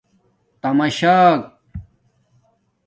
تمشاک